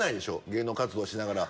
芸能活動しながら。